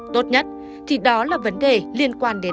tốt nhất thì đó là vấn đề liên quan đến